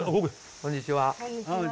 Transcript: こんにちは。